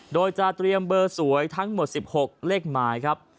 โดยจะเตรียมเบอร์สวยทั้งหมด๑๖เลขหมายครับ